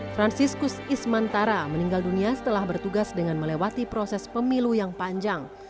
franciscus ismantara meninggal dunia setelah bertugas dengan melewati proses pemilu yang panjang